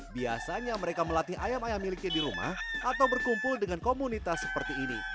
biasanya mereka melatih ayam ayam miliknya di rumah atau berkumpul dengan komunitas seperti ini